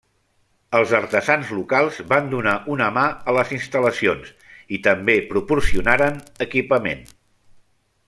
Els artesans locals van donar una mà a les instal·lacions i també proporcionaren equipament.